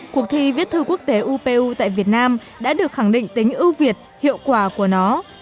cuộc thi viết thư quốc tế upu tại việt nam đã được khẳng định tính ưu việt hiệu quả của nó